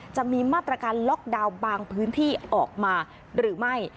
จะมีมาตรการล็อกดาวน์บางพื้นที่ออกมาหรือไม่